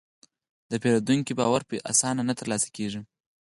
د پیرودونکي باور په اسانه نه ترلاسه کېږي.